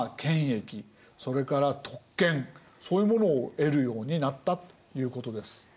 それから特権そういうものを得るようになったということです。